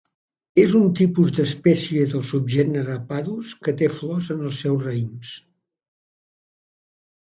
És un tipus d'espècie del subgènere "Padus", que té flors en els seus raïms.